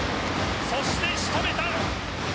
そして仕留めた。